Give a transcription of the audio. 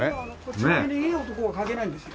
ちなみにいい男が描けないんですよ。